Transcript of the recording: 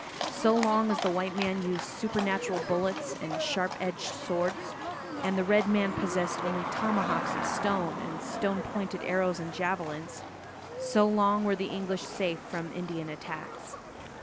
So long as the white man used supernatural bullets and sharp edged swords and the red man possessed only tomahawks of stone and stone pointed arrows and javelins, so long were the English safe from Indian attacks.